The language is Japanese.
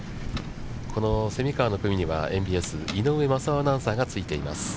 この蝉川の組には、ＭＢＳ、井上雅雄アナウンサーがついています。